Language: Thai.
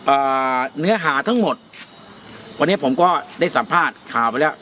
อ่าเนื้อหาทั้งหมดวันนี้ผมก็ได้สัมภาษณ์ข่าวไปแล้ว